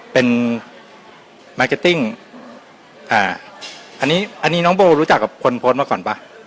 เป็นมาร์เก็ตติ้งอ่าอันนี้อันนี้น้องโบรู้จักกับคนโพสต์มาก่อนป่ะ